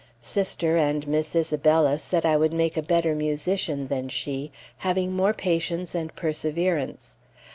Sister and Miss Isabella said I would make a better musician than she, having more patience and perseverance.